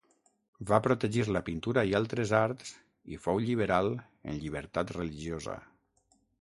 Va protegir la pintura i altres arts i fou lliberal en llibertat religiosa.